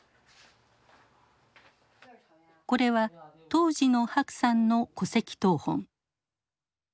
これは当時の白さんの戸籍謄本。